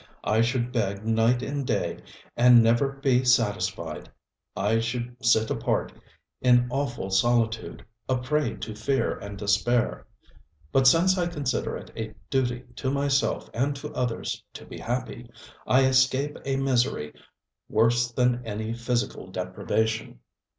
I should beg night and day and never be satisfied. I should sit apart in awful solitude, a prey to fear and despair. But since I consider it a duty to myself and to others to be happy, I escape a misery worse than any physical deprivation.